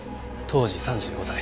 当時３５歳。